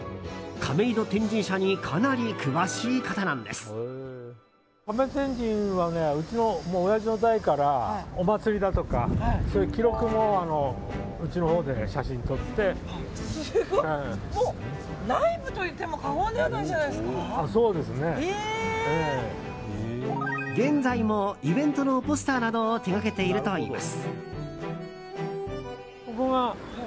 亀戸天神はうちのおやじの代からお祭りだとか、そういう記録もうちのほうですごい、もう内部と言っても現在もイベントのポスターなどを手掛けているといいます。